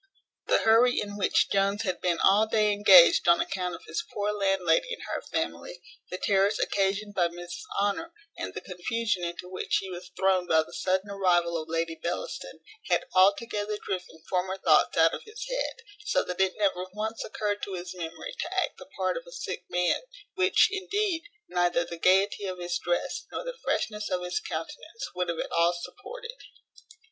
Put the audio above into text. The hurry in which Jones had been all day engaged on account of his poor landlady and her family, the terrors occasioned by Mrs Honour, and the confusion into which he was thrown by the sudden arrival of Lady Bellaston, had altogether driven former thoughts out of his head; so that it never once occurred to his memory to act the part of a sick man; which, indeed, neither the gaiety of his dress, nor the freshness of his countenance, would have at all supported.